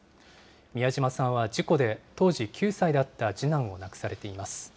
美谷島さんは事故で当時９歳だった次男を亡くされています。